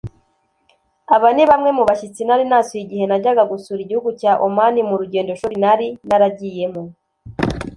Aba ni bamwe mu bashyitsi nari nasuye igihe najyaga gusura igihugu cya Oman mu rugendo shuri nari naragiyemo